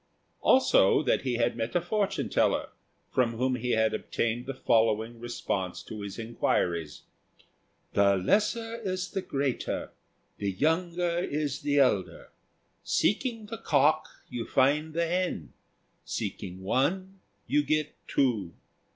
Also that he had met a fortune teller from whom he had obtained the following response to his inquiries: "The lesser is the greater; the younger is the elder. Seeking the cock, you find the hen; seeking one, you get two.